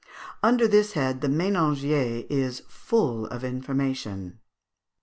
Under this head the "Ménagier" is full of information.